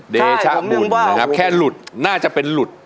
เดชะบุญแค่หลุดน่าจะเป็นหลุด